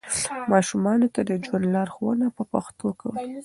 ماشومانو ته د ژوند لارښوونه په پښتو کوئ.